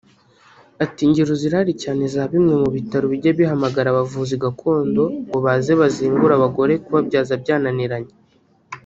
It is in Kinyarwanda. Ati “Ingero zirahari cyane za bimwe mu bitaro bijya bihamagara abavuzi gakondo ngo baze bazingure abagore kubabyaza byananiranye